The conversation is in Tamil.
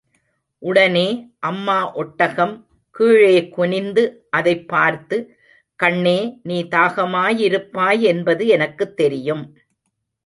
உடனே அம்மா ஒட்டகம் கீழே குனிந்து அதைப் பார்த்து, கண்ணே, நீ தாகமாயிருப்பாய் என்பது எனக்குத் தெரியும்.